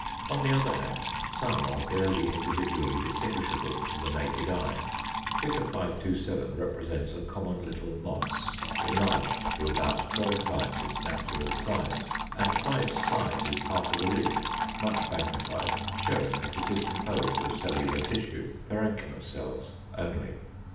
On the other hand, some are barely individually distinguishable to the naked eye. Fig. 527 represents a common little Moss, enlarged to about twelve times its natural size; and by its side is part of a leaf, much magnified, showing that it is composed of cellular tissue (parenchyma cells) only.